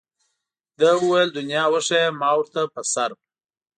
ده وویل دنیا وښیه ما ورته په سر.